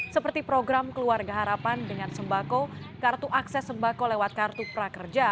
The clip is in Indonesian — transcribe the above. seperti program keluarga harapan dengan sembako kartu akses sembako lewat kartu prakerja